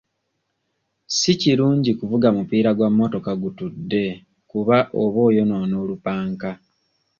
Si kirungi kuvuga mupiira gwa mmotoka gutudde kuba oba oyonoona olupanka.